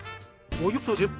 およそ１０分。